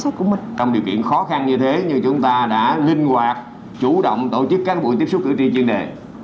trong điều kiện khó khăn như thế như chúng ta đã linh hoạt chủ động tổ chức các buổi tiếp xúc cử tri chuyên đề